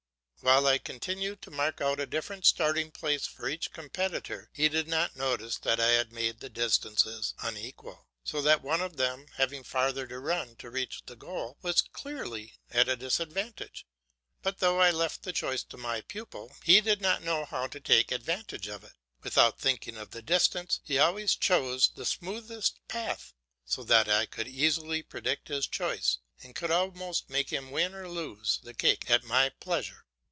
While I continued to mark out a different starting place for each competitor, he did not notice that I had made the distances unequal, so that one of them, having farther to run to reach the goal, was clearly at a disadvantage. But though I left the choice to my pupil he did not know how to take advantage of it. Without thinking of the distance, he always chose the smoothest path, so that I could easily predict his choice, and could almost make him win or lose the cake at my pleasure.